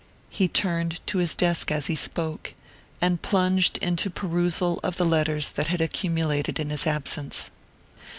He turned to his desk as he spoke, and plunged into perusal of the letters that had accumulated in his absence.